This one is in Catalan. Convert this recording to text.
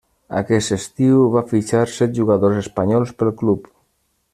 Aquell estiu, va fitxar set jugadors espanyols pel club.